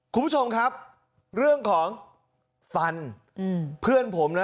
คุณผู้ชมครับเรื่องของฟันเพื่อนผมนะ